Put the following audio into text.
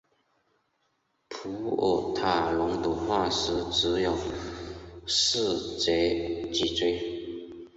普尔塔龙的化石只有数节脊椎。